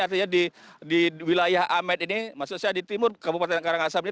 artinya di wilayah amed ini maksud saya di timur kabupaten karangasem ini